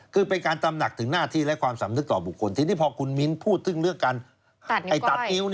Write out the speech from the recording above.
คือเป็นการตำหนักถึงหน้าที่และความสำนึกต่อบุคคลทีนี้พอคุณมิ้นพูดถึงเรื่องการตัดนิ้ว